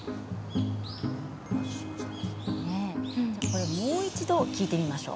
では、もう一回聞いてみましょう。